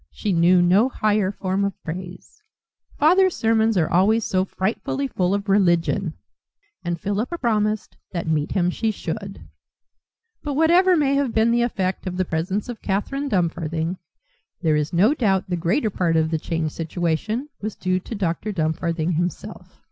She knew no higher form of praise: "Father's sermons are always so frightfully full of religion." And Philippa promised that meet him she should. But whatever may have been the effect of the presence of Catherine Dumfarthing, there is no doubt the greater part of the changed situation was due to Dr. Dumfarthing himself.